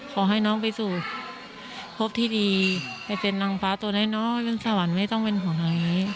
ขอให้น้องไปสู่พบที่ดีไปเป็นนางฟ้าตัวน้อยน้อยเป็นสวรรค์ไม่ต้องเป็นของน้อย